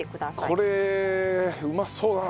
これうまそうだな。